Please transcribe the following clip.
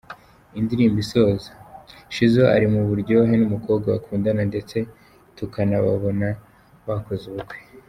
Indirimbo isoza, Shizzo ari mu buryohe n'umukobwa bakundana ndetse tukanababona bakoze ubukwe.